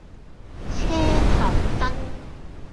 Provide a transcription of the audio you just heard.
車頭燈